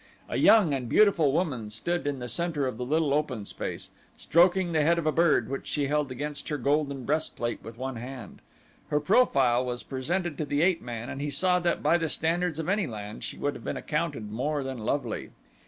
A young and beautiful woman stood in the center of the little open space, stroking the head of a bird which she held against her golden breastplate with one hand. Her profile was presented to the ape man and he saw that by the standards of any land she would have been accounted more than lovely.